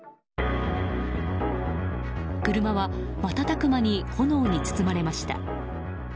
車は瞬く間に炎に包まれました。